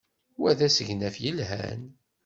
Wa d asegnaf yelhan.